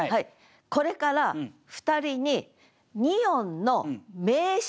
これから２人に２音の名詞？